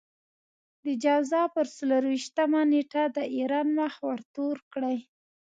د جوزا پر څلور وېشتمه نېټه د ايران مخ ورتور کړئ.